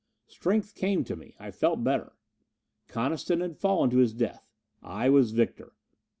Strength came to me. I felt better. Coniston had fallen to his death. I was victor.